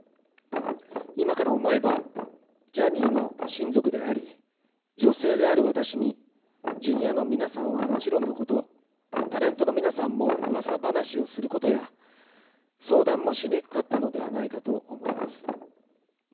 今から思えば、ジャニーの親族であり、女性である私にジュニアの皆さんはもちろんのこと、タレントの皆さんもうわさ話をすることや、相談もしにくかったのだと思います。